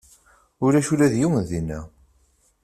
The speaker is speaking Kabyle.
Ulac ula d yiwen dinna.